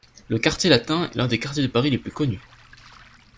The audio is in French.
Le Quartier latin est l'un des quartiers de Paris les plus connus.